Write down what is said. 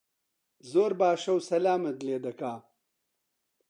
زۆر باشە و سەلامت لێ دەکا